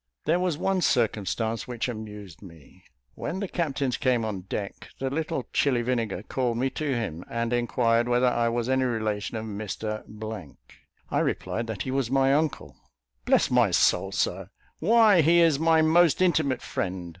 There was one circumstance which amused me. When the captains came on deck, the little Chili Vinegar called me to him, and enquired whether I was any relation of Mr . I replied that he was my uncle. "Bless my soul, Sir! why he is my most intimate friend.